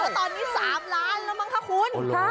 ตอนนี้๓ล้านแล้วมั้งคะคุณ